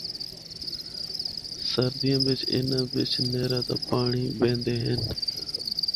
سردیاں بچ اناں بچ نہر دا پانڑی بیندے ہن۔